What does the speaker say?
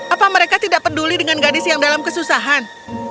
apa mereka tidak peduli dengan gadis yang dalam kesusahan